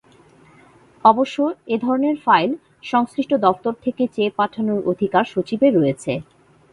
অবশ্য এধরনের ফাইল সংশ্লিষ্ট দফতর থেকে চেয়ে পাঠানোর অধিকার সচিবের রয়েছে।